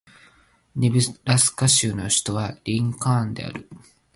ネブラスカ州の州都はリンカーンである